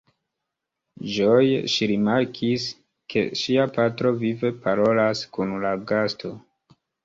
Ĝoje ŝi rimarkis, ke ŝia patro vive parolas kun la gasto.